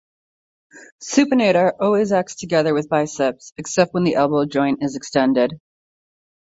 Supinator always acts together with biceps, except when the elbow joint is extended.